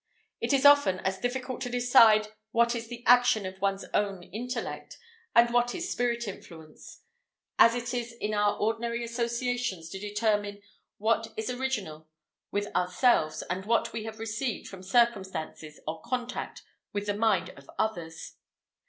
It is often as difficult to decide what is the action of one's own intellect and what is spirit influence, as it is in our ordinary associations to determine what is original with ourselves and what we have received from circumstances or contact with the mind of others.